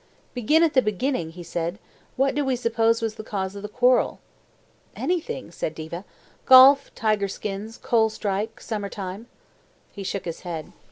"Begin at the beginning," he said. "What do we suppose was the cause of the quarrel?" "Anything," said Diva. "Golf, tiger skins, coal strike, summer time." He shook his head.